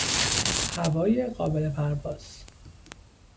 هوای قابل پرواز